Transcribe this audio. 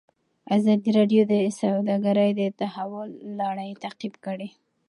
ازادي راډیو د سوداګري د تحول لړۍ تعقیب کړې.